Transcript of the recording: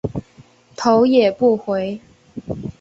头也不回